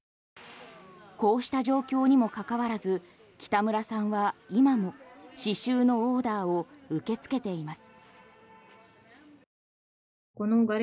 こうした状況にもかかわらず北村さんは今も刺しゅうのオーダーを受け付けています。